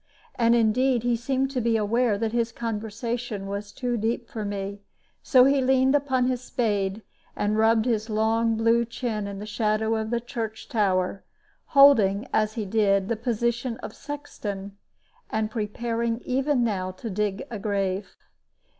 And indeed he seemed to be aware that his conversation was too deep for me; so he leaned upon his spade, and rubbed his long blue chin in the shadow of the church tower, holding as he did the position of sexton, and preparing even now to dig a grave.